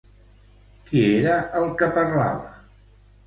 Qui era el que parlava?